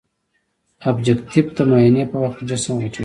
ابجکتیف د معاینې په وخت کې جسم غټوي.